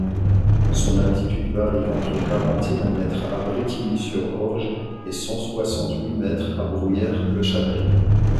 Son altitude varie entre quarante-et-un mètres à Brétigny-sur-Orge et cent soixante-huit mètres à Bruyères-le-Châtel.